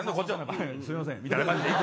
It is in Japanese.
すいませんみたいな感じで。